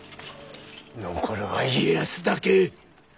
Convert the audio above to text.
残るは家康だけ！